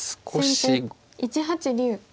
先手１八竜。